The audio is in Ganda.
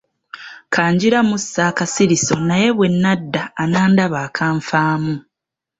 Ka ngira mmussa akasiriso naye bwe nadda anandaba akanfamu.